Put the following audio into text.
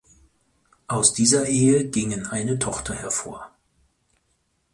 Aus dieser Ehe gingen eine Tochter hervor.